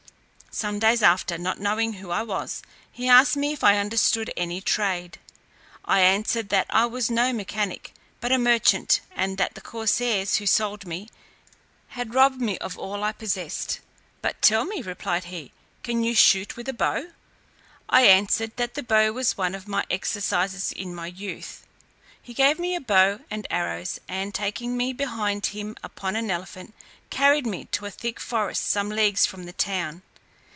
Some days after, not knowing who I was, he asked me if I understood any trade? I answered, that I was no mechanic, but a merchant, and that the corsairs, who sold me, had robbed me of all I possessed. "But tell me," replied he, "can you shoot with a bow?" I answered, that the bow was one of my exercises in my youth. He gave me a bow and arrows, and, taking me behind him upon an elephant, carried me to a thick forest some leagues from the town.